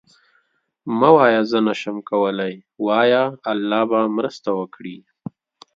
مه وایه زه نشم کولی، وایه الله به مرسته وکړي.